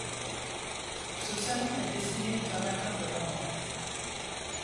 Ce salon est destiné aux amateurs de romans.